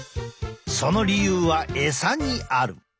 その理由は餌にある。